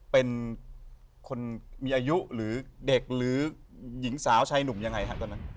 เป็นคนมีอายุหรือเด็กหรือหญิงสาวชายหนุ่มยังไงฮะตอนนั้น